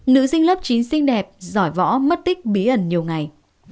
nữ sinh lớp chín xinh đẹp giỏi võ mất tích bí ẩn nhiều ngày